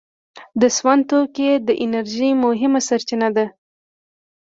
د سون توکي د انرژۍ مهمه سرچینه ده.